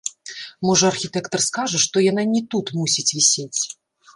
Можа, архітэктар скажа, што яна не тут мусіць вісець.